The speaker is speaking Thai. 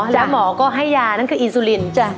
แล้วหมอก็ให้ยานั่นคืออินซูลิน